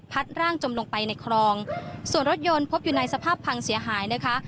ร่างจมลงไปในคลองส่วนรถยนต์พบอยู่ในสภาพพังเสียหายนะคะ